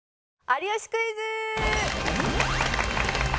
『有吉クイズ』！